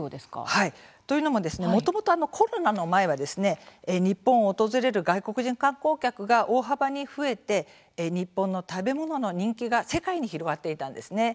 はいというのももともとコロナの前は日本を訪れる外国人観光客が大幅に増えて日本の食べ物の人気が世界に広がっていたんですね。